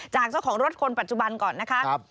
จากเจ้าของรถคนปัจจุบันก่อนนะคะ